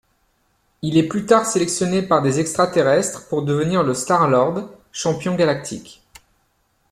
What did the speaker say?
Il est plus tard sélectionné par des extra-terrestres pour devenir le Star-Lord, champion galactique.